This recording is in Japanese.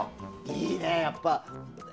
いいね、やっぱ。